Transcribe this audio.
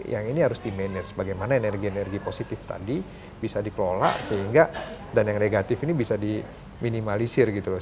yang ini harus di manage bagaimana energi energi positif tadi bisa dikelola sehingga dan yang negatif ini bisa diminimalisir gitu loh